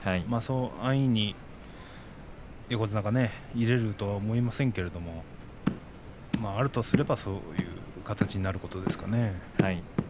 安易に横綱が入れるとは思いませんが、あるとすればそういう形になることでしょう。